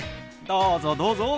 どうぞどうぞ。